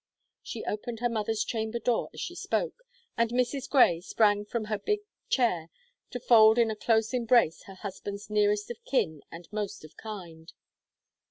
She opened her mother's chamber door as she spoke, and Mrs. Grey sprang from her big chair to fold in a close embrace her husband's nearest of kin and most of kind.